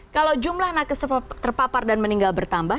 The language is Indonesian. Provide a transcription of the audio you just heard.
kalau jumlah tenaga kesehatan terpapar dan meninggal bertambah